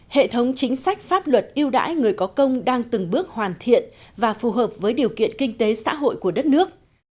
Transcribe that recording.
hệ thống chính sách pháp luật yêu đãi người có công đang từng bước hoàn thiện và phù hợp với điều kiện kinh tế xã hội của đất nước